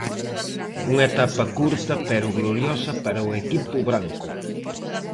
Unha etapa curta, pero gloriosa para o equipo branco.